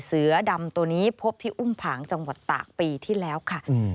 เสือดำตัวนี้พบที่อุ้มผางจังหวัดตากปีที่แล้วค่ะ